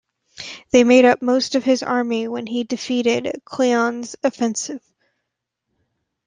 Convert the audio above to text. They made up most of his army when he defeated Cleon's offensive.